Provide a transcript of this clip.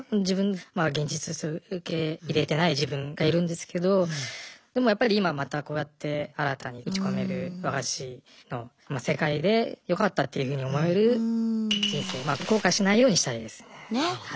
自分まだ現実として受け入れてない自分がいるんですけどでもやっぱり今またこうやって新たに打ち込める和菓子の世界でよかったっていうふうに思える人生後悔しないようにしたいですね。ね。